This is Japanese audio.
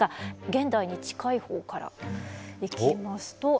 現代に近い方から行きますと。